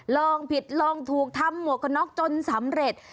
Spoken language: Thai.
ลองผิดลองถูกทำหมวกกระน็อกจนสำเร็จ